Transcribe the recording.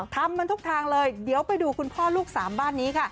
ทำมันทุกทางเลยเดี๋ยวไปดูคุณพ่อลูกสามบ้านนี้ค่ะ